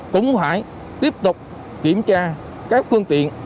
cũng phải tiếp tục kiểm tra các phương tiện